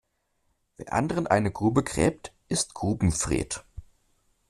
Wer anderen eine Grube gräbt, ist Grubenfred.